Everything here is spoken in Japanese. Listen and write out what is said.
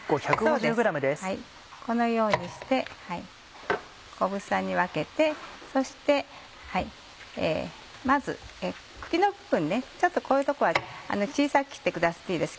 このようにして小房に分けてそしてまず茎の部分ちょっとこういうとこは小さく切ってくださっていいです。